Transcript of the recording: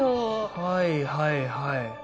はいはいはい。